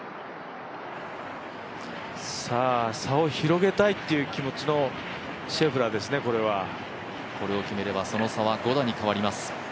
差を広げたいという気持ちのシェフラーですね、これはこれを決めればその差は５打に変わります。